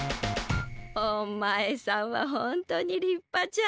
おまえさんはほんとにりっぱじゃ。